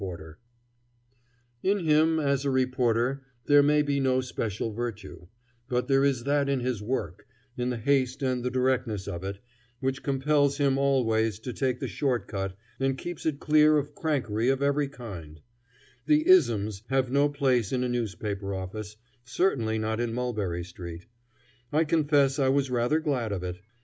[Illustration: The Way to present the Manufacture of "Toughs"] In him as a reporter there may be no special virtue; but there is that in his work, in the haste and the directness of it, which compels him always to take the short cut and keeps it clear of crankery of every kind. The "isms" have no place in a newspaper office, certainly not in Mulberry Street. I confess I was rather glad of it.